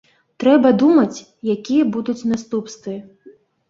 Трэба думаць, якія будуць наступствы.